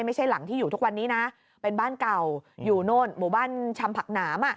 ไม่ใช่หลังที่อยู่ทุกวันนี้นะเป็นบ้านเก่าอยู่โน่นหมู่บ้านชำผักหนาม